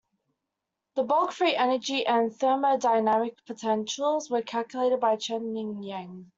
The bulk free energy and thermodynamic potentials were calculated by Chen-Ning Yang.